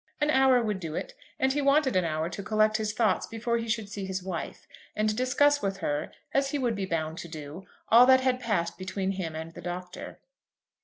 An hour would do it, and he wanted an hour to collect his thoughts before he should see his wife, and discuss with her, as he would be bound to do, all that had passed between him and the Doctor.